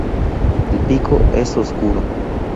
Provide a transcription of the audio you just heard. El pico es oscuro.